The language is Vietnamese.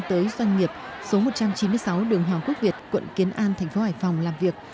tới doanh nghiệp số một trăm chín mươi sáu đường hoàng quốc việt quận kiến an thành phố hải phòng làm việc